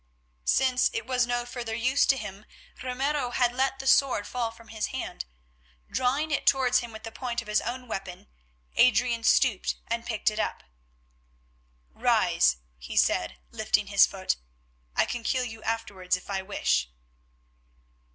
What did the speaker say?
Since it was no further use to him, Ramiro had let the sword fall from his hand. Drawing it towards him with the point of his own weapon, Adrian stooped and picked it up. "Rise," he said, lifting his foot, "I can kill you afterwards if I wish."